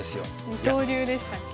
二刀流でしたっけ？